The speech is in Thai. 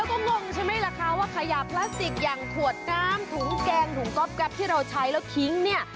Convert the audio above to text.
ก็งงใช่ไหมล่ะคะว่าขยะพลาสติกอย่างขวดน้ำถุงแกงถุงก๊อบแป๊บที่เราใช้แล้วทิ้งเนี่ย